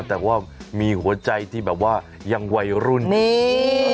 แต่ว่ามีหัวใจที่แบบว่ายังวัยรุ่นนี่